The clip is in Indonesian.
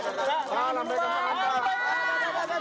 saya akan melihat